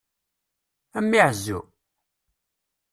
A mmi ɛezzu!